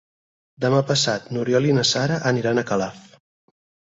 Demà passat n'Oriol i na Sara aniran a Calaf.